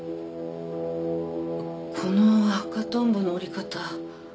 この赤トンボの折り方。